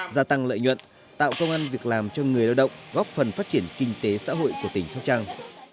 gia tăng lợi nhuận tạo công an việc làm cho người lao động góp phần phát triển kinh tế xã hội của tỉnh sóc trăng